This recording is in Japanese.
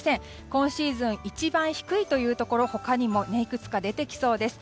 今シーズン一番低いというところ他にもいくつか出てきそうです。